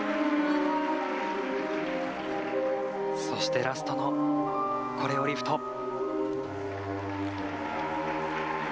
そして、ラストのコレオリフト。